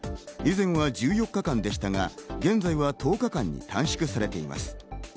以前は１４日間でしたが、現在は１０日間に短縮されています。